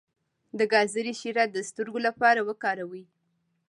د ګازرې شیره د سترګو لپاره وکاروئ